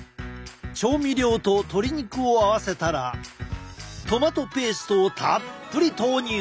調味料と鶏肉を合わせたらトマトペーストをたっぷり投入！